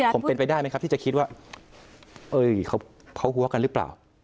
ผมเป็นไปได้ไหมครับที่จะคิดว่าเขาหัวกันหรือเปล่า